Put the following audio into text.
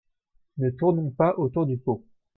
Ne tournons pas autour du pot.